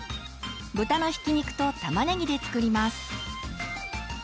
豚のひき肉と玉ねぎで作ります。